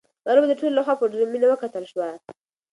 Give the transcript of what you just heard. دا لوبه د ټولو لخوا په ډېره مینه وکتل شوه.